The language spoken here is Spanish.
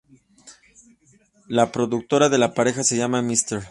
La productora de la pareja se llama Mr.